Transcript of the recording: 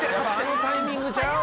あのタイミングちゃう？